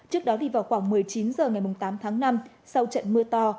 trước đó thì vào khoảng một mươi chín giờ ngày tám tháng năm sau trận mưa to